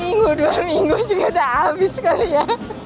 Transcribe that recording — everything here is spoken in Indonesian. minggu dua minggu juga udah habis kali ya